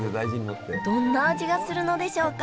どんな味がするのでしょうか？